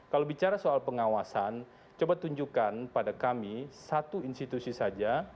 kalau bicara soal pengawasan coba tunjukkan pada kami satu institusi saja